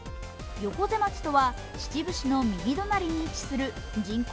横瀬町とは秩父市の右隣に位置する人口